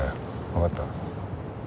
わかった？